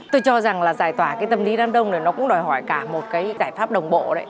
tôi cho rằng là giải tỏa cái tâm lý đám đông thì nó cũng đòi hỏi cả một cái giải pháp đồng bộ đấy